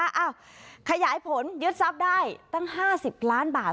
อ้าวขยายผลยึดทรัพย์ได้ตั้ง๕๐ล้านบาท